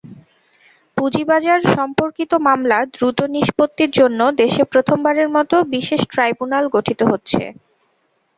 পুঁজিবাজার-সম্পর্কিত মামলা দ্রুত নিষ্পত্তির জন্য দেশে প্রথমবারের মতো বিশেষ ট্রাইব্যুনাল গঠিত হচ্ছে।